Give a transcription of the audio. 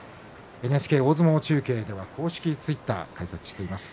ＮＨＫ大相撲中継では公式ツイッターを開設しています。